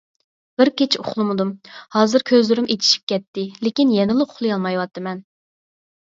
بىر كېچە ئۇخلىمىدىم، ھازىر كۆزلىرىم ئېچىشىپ كەتتى، لېكىن يەنىلا ئۇخلىيالمايۋاتىمەن.